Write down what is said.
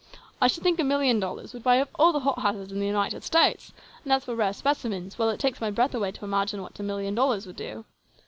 I should think a million dollars would buy up all the hothouses in the United States, and as for rare specimens, well, it takes my breath away to imagine what a million dollars would do.